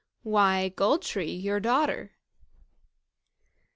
"Why, Gold tree, your daughter."